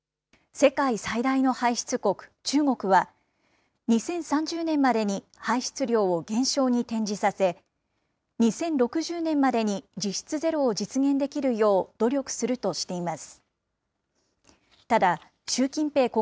世界最大の排出国、中国は２０３０年までに排出量を減少に転じさせ、２０６０年までに実質ゼロを実現できるよう努力するとしています。